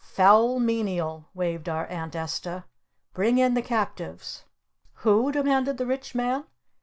"Foul Menial!" waved our Aunt Esta. "Bring in the Captives!" "Who?" demanded the Rich Man.